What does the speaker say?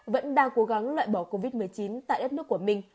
vẫn đang cố gắng loại bỏ covid một mươi chín tại đất nước của mình